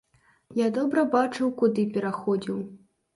Я добра бачыў, куды пераходзіў.